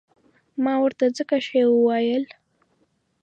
ما ورته ځکه شی وویل.